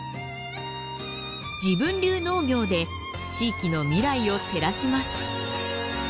自分流農業で地域の未来を照らします。